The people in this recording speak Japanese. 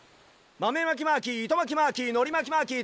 まめまきマーキーいとまきマーキーのりまきマーキー